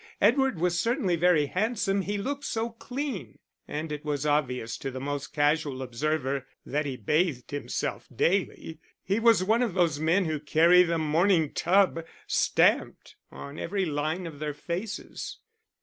Edward was certainly very handsome he looked so clean, and it was obvious to the most casual observer that he bathed himself daily: he was one of those men who carry the morning tub stamped on every line of their faces.